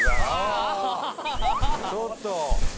ちょっと！